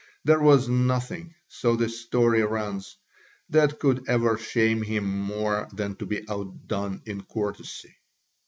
There was nothing, so the story runs, that could ever shame him more than to be outdone in courtesy.